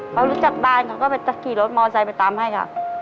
เขารู้จักบ้านเขาก็ไปตะขี่รถมอไซค์ไปตามให้ค่ะ